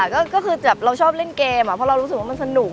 ก็คือเราชอบเล่นเกมเพราะเรารู้สึกว่ามันสนุก